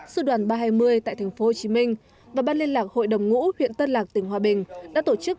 sư đoàn ba trăm hai mươi tại tp hcm và ban liên lạc hội đồng ngũ huyện tân lạc tỉnh hòa bình đã tổ chức